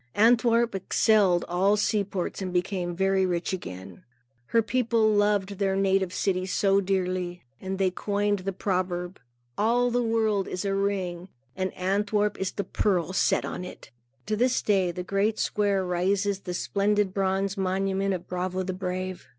Antwerp excelled all seaports and became very rich again. Her people loved their native city so dearly, that they coined the proverb "All the world is a ring, and Antwerp is the pearl set in it." To this day, in the great square, rises the splendid bronze monument of Brabo the Brave.